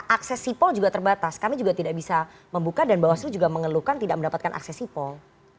akses sipol juga terbatas kami juga tidak bisa membuka dan bawaslu juga mengeluhkan tidak mendapatkan akses sipol